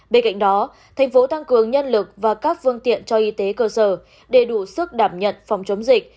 bên cạnh đó thành phố tăng cường nhân lực và các phương tiện cho y tế cơ sở để đủ sức đảm nhận phòng chống dịch